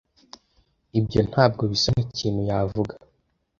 Ibyo ntabwo bisa nkikintu yavuga.